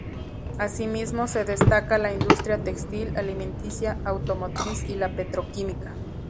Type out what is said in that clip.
Así mismo se destaca la industria textil, alimenticia, automotriz y la petroquímica.